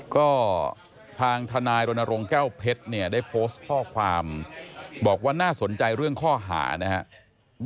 ก็ทางทนายรณรงค์แก้วเพชรเนี่ยได้โพสต์ข้อความบอกว่าน่าสนใจเรื่องข้อหานะครับ